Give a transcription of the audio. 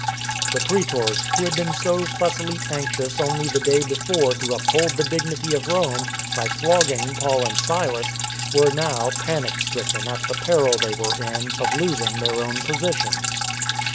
The praetors, who had been so fussily anxious only the day before to uphold the dignity of Rome by flogging Paul and Silas, were now panic stricken at the peril they were in of losing their own positions.